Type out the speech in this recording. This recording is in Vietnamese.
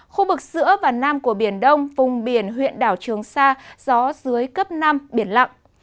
khu vực giữa và nam của biển đông vùng biển huyện đảo trường sa gió dưới cấp năm biển lặng